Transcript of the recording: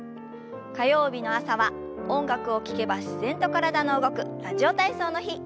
火曜日の朝は音楽を聞けば自然と体の動く「ラジオ体操」の日。